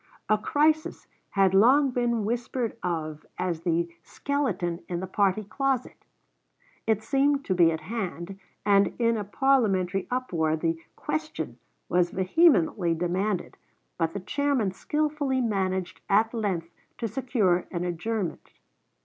"A crisis" had long been whispered of as the skeleton in the party closet. It seemed to be at hand, and in a parliamentary uproar the "question" was vehemently demanded, but the chairman skillfully managed at length to secure an adjournment.